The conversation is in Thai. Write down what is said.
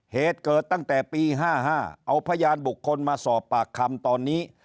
เหตุเกิดตั้งแต่ปี๕๕เอาพยานบุคคลมาสอบปากคำตอนนี้